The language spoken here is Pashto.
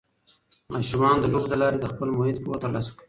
ماشومان د لوبو له لارې د خپل محیط پوهه ترلاسه کوي.